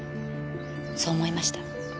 そう思いました。